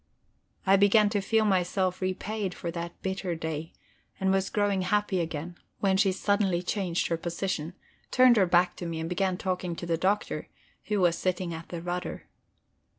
I began to feel myself repaid for that bitter day, and was growing happy again, when she suddenly changed her position, turned her back to me, and began talking to the Doctor, who was sitting at the rudder.